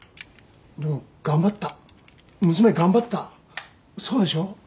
でも頑張った娘頑張ったそうでしょう？